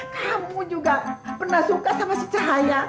kamu juga pernah suka sama si cahaya